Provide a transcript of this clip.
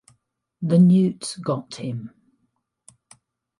The newts got him.